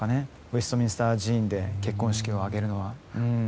ウェストミンスター寺院で結婚式を挙げるのは。